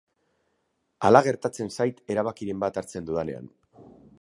Hala gertatzen zait erabakiren bat hartzen dudanean.